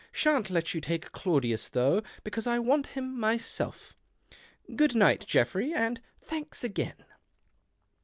Shan't let you take Claudius LOUgh, because I want him myself. Good Lght, Geoffrey, and thanks again."